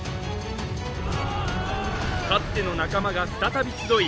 かつての仲間が再び集い